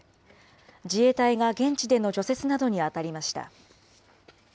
自衛隊が現地での除雪などに当たりました。